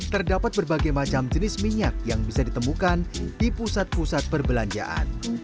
terdapat berbagai macam jenis minyak yang bisa ditemukan di pusat pusat perbelanjaan